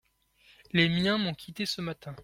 Les miens m'ont quitté ce matin.